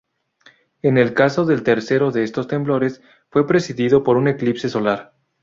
En el caso del tercero de estos temblores, fue precedido por un eclipse solar.